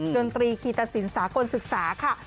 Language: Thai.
ดนตรีคีตสินสากลศึกษาค่ะ